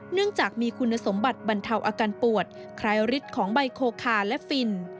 เนื่องจากมีคุณสมบัติบรรเทาอาการปวดคล้ายฤทธิ์ของใบโคคาและฟิน